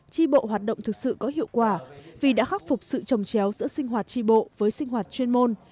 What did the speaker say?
tri bộ hoạt động thực sự có hiệu quả vì đã khắc phục sự trồng chéo giữa sinh hoạt tri bộ với sinh hoạt chuyên môn